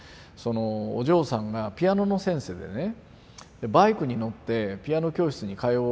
お嬢さんがピアノの先生でねバイクに乗ってピアノ教室に通う。